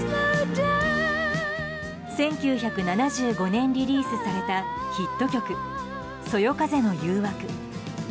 １９７５年、リリースされたヒット曲「そよ風の誘惑」。